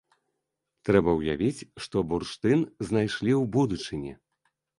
Трэба ўявіць, што бурштын знайшлі ў будучыні.